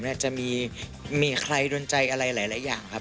มันแหละจะมีมีใครดนตรายอะไรหลายหลายอย่างครับ